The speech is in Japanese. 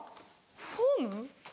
フォーム？